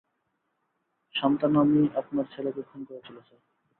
সান্থানামই আপনার ছেলেকে খুন করেছিল, স্যার।